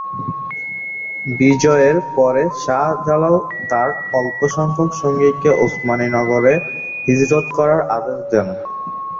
বিজয়ের পরে শাহ জালাল তার অল্প সংখ্যক সঙ্গীকে ওসমানী নগরে হিজরত করার আদেশ দেন।